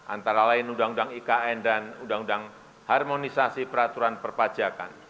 antara lain undang undang ikn dan undang undang harmonisasi peraturan perpajakan